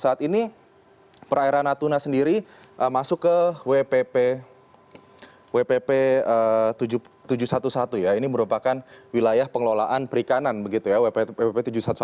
saat ini perairan natuna sendiri masuk ke wpp tujuh ratus sebelas ya ini merupakan wilayah pengelolaan perikanan begitu ya pp tujuh ratus sebelas